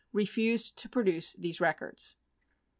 refused to produce these records.